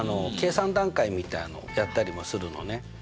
計算段階みたいのをやったりもするのね。